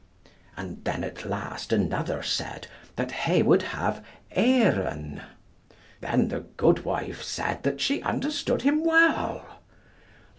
And then at last another said, that he would have "eyren"; then the goodwife said that she understood him well.